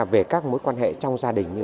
về các mối quan hệ trong gia đình